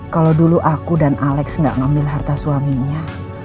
kalau dulu aku dan alex gak ngambil harta suaminya